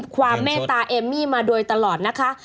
ความเมตตาเอมมี่มาโดยตลอดนะคะ